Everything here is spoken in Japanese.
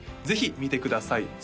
ぜひ見てください